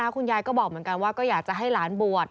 คุณยายก็บอกเหมือนกันว่าก็อยากจะให้หลานบวช